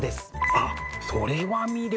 あっそれは魅力。